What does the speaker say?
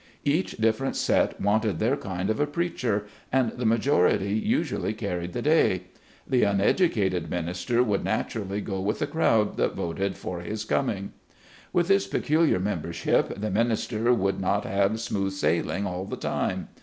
Each different set wanted their kind of a preacher, and the major ity usually carried the day. The uneducated min ister would naturally go with the crowd that voted for his coming. With this peculiar membership the minister would not have smooth sailing all the time.